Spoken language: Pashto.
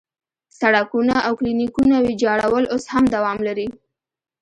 سړکونه او کلینیکونه ویجاړول اوس هم دوام لري.